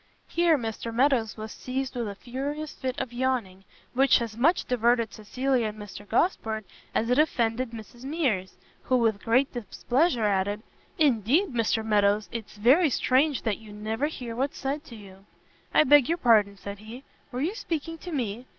Here Mr Meadows was seized with a furious fit of yawning, which as much diverted Cecilia and Mr Gosport, as it offended Mrs Mears, who with great displeasure added, "Indeed, Mr Meadows, it's very strange that you never hear what's said to you." "I beg your pardon," said he, "were you speaking to me?"